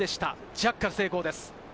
ジャッカル成功です。